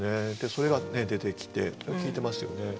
それが出てきて効いてますよね。